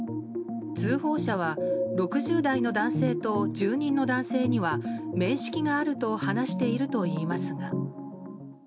通報者は６０代の男性と住人の男性には面識があると話しているといいますが。